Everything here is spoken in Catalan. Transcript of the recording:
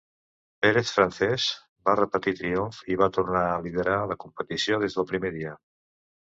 Pérez-Francés, va repetir triomf i va tornar a liderar la competició des del primer dia.